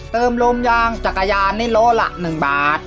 เติมโรมยางจักรยานในล้อละหนึ่งบาท